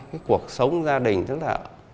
cái cuộc sống gia đình rất là